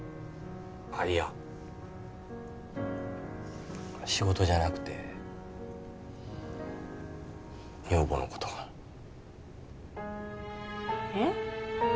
あっいや仕事じゃなくて女房のことがえっ？